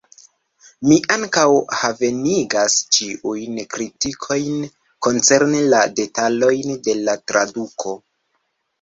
Mi ankaŭ bonvenigas ĉiujn kritikojn koncerne la detalojn de la traduko.